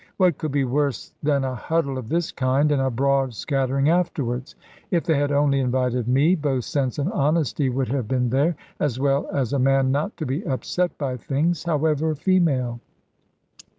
What could be worse than a huddle of this kind, and a broad scattering afterwards? If they had only invited me, both sense and honesty would have been there; as well as a man not to be upset by things, however female.